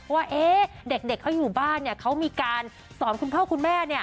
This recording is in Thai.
ว่าเด็กเขาอยู่บ้านเขามีการสอนคุณพ่อคุณแม่